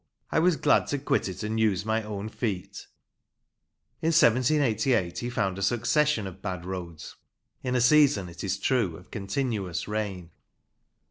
I was glad to quit it and use my own feet." In 1788 he found a succession of bad roads, in a season, it is true, of continuous rain.